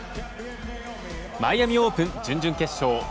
マイアミ・オープン準々決勝。